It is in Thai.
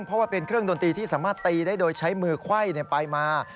เพราะว่าเป็นเครื่องดนตรีที่สามารถตีได้โดยใช้มือไขว้ไปมา